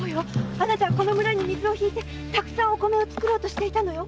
あなたはこの村に水を引いてたくさんお米を作ろうとしていたのよ。